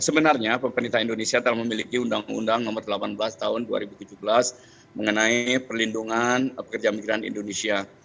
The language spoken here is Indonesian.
sebenarnya pemerintah indonesia telah memiliki undang undang nomor delapan belas tahun dua ribu tujuh belas mengenai perlindungan pekerja migran indonesia